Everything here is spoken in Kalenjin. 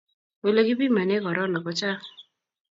ole kipimane corona ko chang